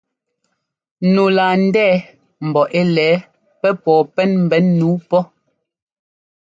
Nu laa ndɛɛ̀̀ mbɔ ɛ́ lɛ̌ɛ pɛ́ pɔɔ pɛn ḿbɛn nǔu pɔ́ !